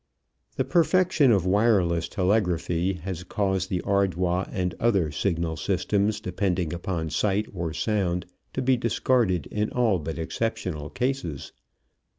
The perfection of wireless telegraphy has caused the Ardois and other signal systems depending upon sight or sound to be discarded in all but exceptional cases.